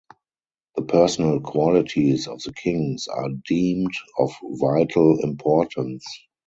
The personal qualities of the kings are deemed of vital importance.